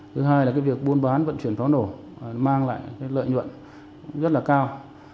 thứ hai là việc buôn bán vận chuyển pháo nổ mang lại lợi nhuận rất là cao